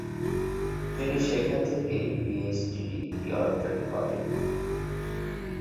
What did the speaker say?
তিনি সেখান থেকেই পিএইচডি ডিগ্রি অর্জন করেন।